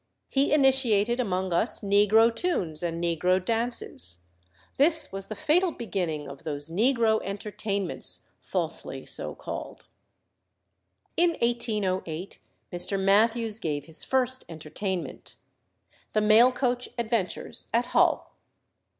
He initiated among us negro tunes and negro dances. This was the fatal beginning of those "negro entertainments," falsely so called. In 1808 Mr. Mathews gave his first entertainment, "The Mail coach Adventures," at Hull.